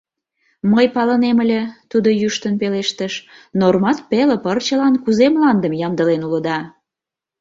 — Мый палынем ыле, — тудо йӱштын пелештыш, нормат пеле пырчылан кузе мландым ямдылен улыда!